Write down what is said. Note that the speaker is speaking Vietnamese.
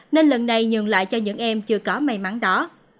nên lần này nhường lại cho những em chưa có may mắn đó